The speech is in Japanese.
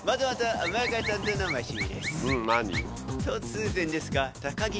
突然ですが。